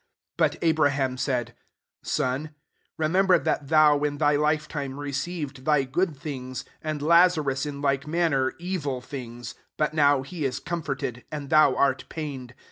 25 " But Abraham said, * Son, remember that thou in thy life time received thy good things, and Lazarus in like manner evil things: but now he is comforted, and thou art pained.